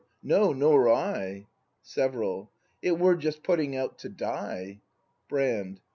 No, nor I. Several. It were just putting out to die! Brand.